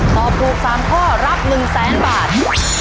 ตอบถูกสามข้อรับ๑๐๐๐๐๐บาท